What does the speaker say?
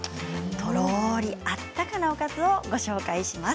とろーり温かなおかずをご紹介します。